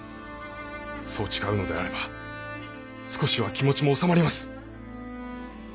そう誓うのであれば少しは気持ちも収まります。